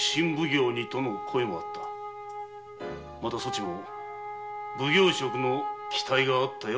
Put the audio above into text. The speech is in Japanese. またそちも奉行職への期待があったやもしれぬ。